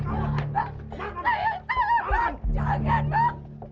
lo yang menentang bangsat jangan bang